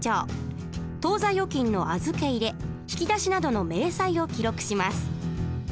当座預金の預け入れ引き出しなどの明細を記録します。